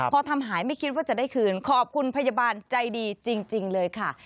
พอทำหายไม่คิดว่าจะได้คืนขอบคุณพยาบาลใจดีจริงเลยค่ะ